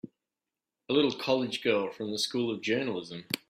A little college girl from a School of Journalism!